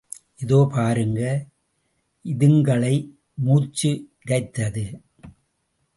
இதோ பாருங்க, இதுங்களை!. மூச்சு இரைத்தது.